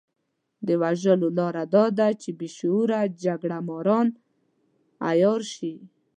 د وژلو لاره دا ده چې بې شعوره جګړه ماران عيار شي.